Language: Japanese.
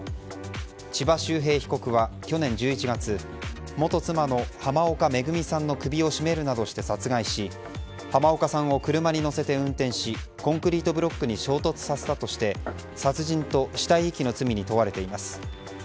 千葉修平被告は去年１１月元妻の浜岡恵さんの首を絞めるなどして殺害し浜岡さんを車に乗せて運転しコンクリートブロックに衝突させたとして殺人と死体遺棄の罪に問われています。